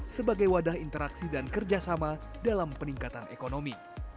sebagai wadah interaksi dan kerjasama dalam peningkatan ekonomi